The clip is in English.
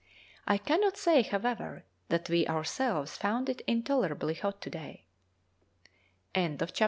I cannot say, however, that we ourselves found it intolerably hot to day. CHAPTER XXVII.